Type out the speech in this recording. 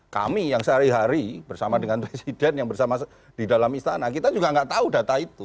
kami yang sehari hari bersama dengan presiden yang bersama di dalam istana kita juga nggak tahu data itu